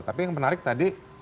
tapi yang menarik tadi